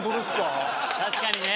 確かにね。